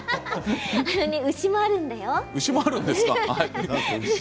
牛もあるんだよ。